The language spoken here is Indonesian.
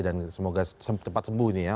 dan semoga cepat sembuh ini ya